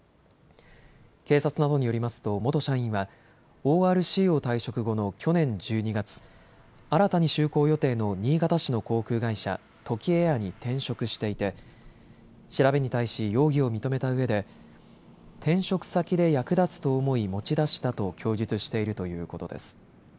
警察などによりますと元社員はＯＲＣを退職後の去年１２月、新たに就航予定の新潟市の航空会社、トキエアに転職していて調べに対し容疑を認めたうえで転職先で役立つと思い持ち出したと供述しているということです。